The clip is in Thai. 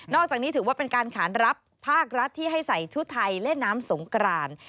อกจากนี้ถือว่าเป็นการขานรับภาครัฐที่ให้ใส่ชุดไทยเล่นน้ำสงกราน